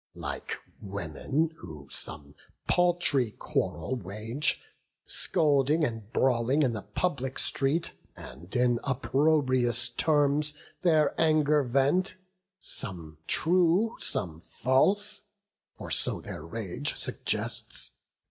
Like women, who some paltry quarrel wage, Scolding and brawling in the public street, And in opprobrious terms their anger vent, Some true, some false; for so their rage suggests.